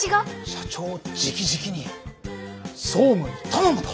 社長じきじきに総務に頼むと。